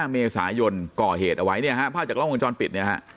เมษายนก่อเหตุเอาไว้เนี่ยฮะภาพจากล้องวงจรปิดเนี่ยฮะ